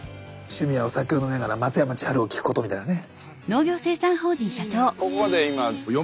趣味はお酒を飲みながら松山千春を聞くことみたいなね。